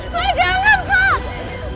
pak jangan pak